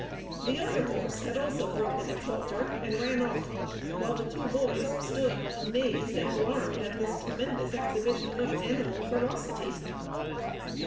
The other horse had also broken its halter and ran off, while the two boys stood amazed and alarmed at this tremendous exhibition of animal ferocity.